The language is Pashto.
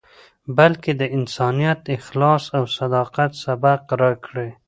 بلکې د انسانیت، اخلاص او صداقت، سبق راکړی.